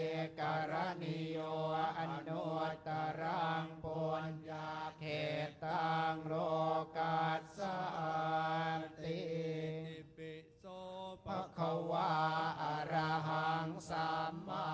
สารทิสันทะเทวะมนุนนางพุทธโทพักขวาธรรม